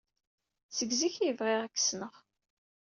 Seg zik ay bɣiɣ ad ken-ssneɣ.